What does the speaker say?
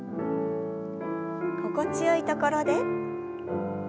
心地よいところで。